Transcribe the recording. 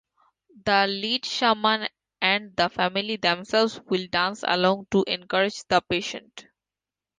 The lead shaman and the family themselves will dance along to encourage the patient.